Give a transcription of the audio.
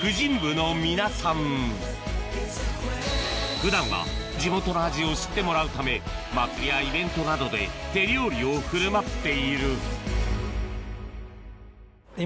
普段は地元の味を知ってもらうため祭りやイベントなどで手料理を振る舞っている今。